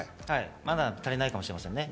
まだ足りないかもしれませんね。